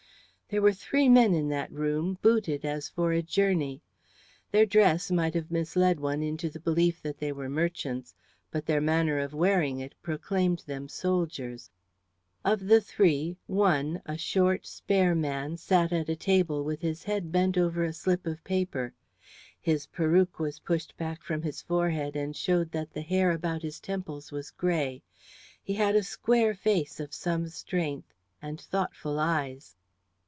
There were three men in that room booted as for a journey. Their dress might have misled one into the belief that they were merchants, but their manner of wearing it proclaimed them soldiers. Of the three, one, a short, spare man, sat at the table with his head bent over a slip of paper. His peruke was pushed back from his forehead and showed that the hair about his temples was grey. He had a square face of some strength, and thoughtful eyes.